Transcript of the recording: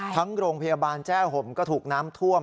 โรงพยาบาลแจ้ห่มก็ถูกน้ำท่วม